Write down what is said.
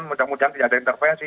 mudah mudahan tidak ada intervensi